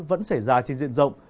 vẫn xảy ra trên diện rộng